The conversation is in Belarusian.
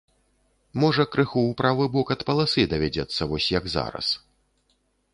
Можа крыху ў правы бок ад паласы давядзецца вось як зараз.